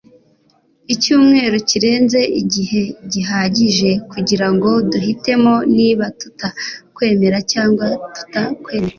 icyumweru kirenze igihe gihagije kugirango duhitemo niba tutakwemera cyangwa tutakwemera